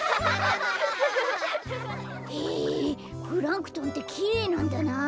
へえプランクトンってきれいなんだなあ！